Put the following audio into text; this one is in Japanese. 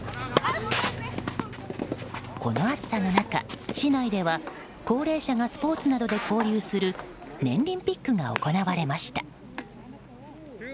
この暑さの中、市内では高齢者がスポーツなどで交流するねんりんピックが行われました。